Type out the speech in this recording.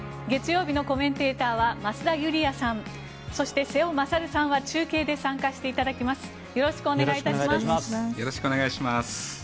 月曜日のコメンテーターは増田ユリヤさんそして瀬尾傑さんは中継で参加していただきます。